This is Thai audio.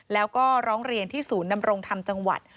แล้วก็ร้องเรียนที่ศูนย์ดำรงธรรมจังหวัด